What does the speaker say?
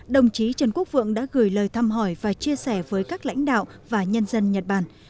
đồng chí trần quốc vượng đã gửi lời thăm hỏi và chia sẻ với các lãnh đạo và nhân dân nhật bản